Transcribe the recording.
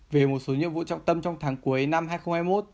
về một số nhiệm vụ trọng tâm trong tháng cuối năm hai nghìn hai mươi một